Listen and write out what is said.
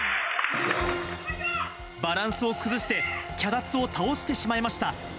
バランスを崩して、脚立を倒してしまいました。